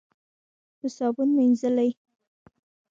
په صابون مینځلې.